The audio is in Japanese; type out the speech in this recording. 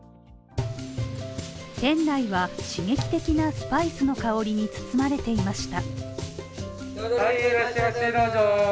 店内は刺激的なスパイスの香りに包まれていました。